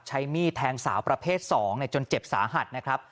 ใช้มีดแทงสาวประเภท๒จนเจ็บสาหัสนะครับ